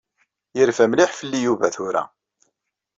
Yerfa mliḥ fell-i Yuba tura.